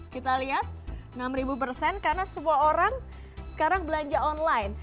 kita lihat enam persen karena semua orang sekarang belanja online